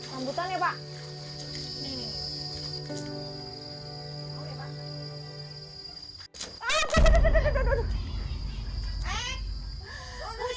rambutan ya pak